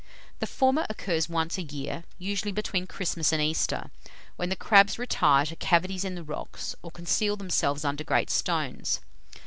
The former occurs once a year, usually between Christmas and Easter, when the crabs retire to cavities in the rocks, or conceal themselves under great stones.